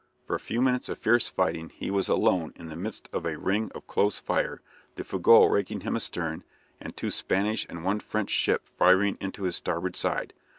For a few minutes of fierce fighting he was alone in the midst of a ring of close fire, the "Fougueux" raking him astern, and two Spanish and one French ship firing into his starboard side.